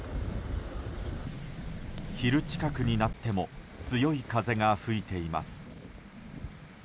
昼近くになっても強い風が吹いています。